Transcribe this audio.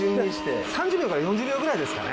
３０秒から４０秒ぐらいですかね。